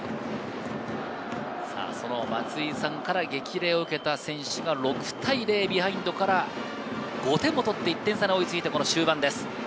松井さんから激励を受けた選手が６対０、ビハインドから、５点も取って、１点差で追いついて終盤です。